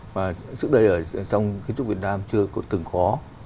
và trước đây ở trong kiến trúc việt nam chưa có từng khó